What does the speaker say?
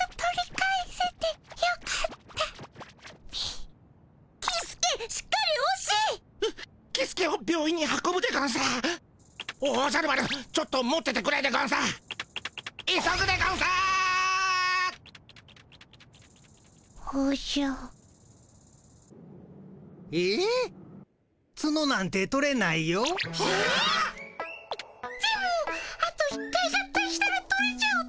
でも「あと一回合体したら取れちゃう」って言ったっピ。